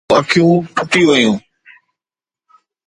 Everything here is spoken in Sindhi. سڀني جون اکيون ڦٽي ويون